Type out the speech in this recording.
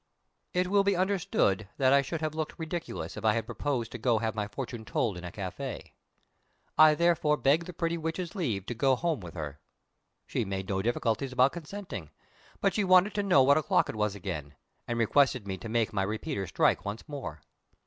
It will be understood that I should have looked ridiculous if I had proposed to have my fortune told in a café. I therefore begged the pretty witch's leave to go home with her. She made no difficulties about consenting, but she wanted to know what o'clock it was again, and requested me to make my repeater strike once more.